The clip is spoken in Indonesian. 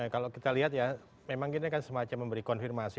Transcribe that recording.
kalau kita lihat ya memang ini kan semacam memberi konfirmasi